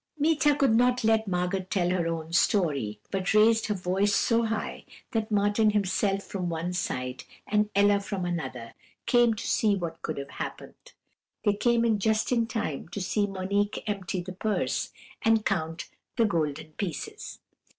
"Meeta would not let Margot tell her own story, but raised her voice so high that Martin himself from one side, and Ella from another, came to see what could have happened. They came in just in time to see Monique empty the purse, and count the golden pieces.